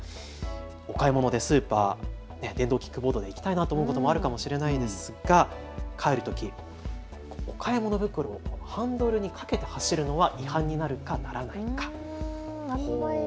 お買い物でスーパー、電動キックボードで行きたいなということもあるかもしれないですが、帰るときお買い物袋をハンドルに掛けて走るのは違反になるか、ならないか。